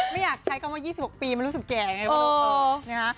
ไม่อยากใช้คำว่า๒๖ปีมันรู้สึกแก่ไง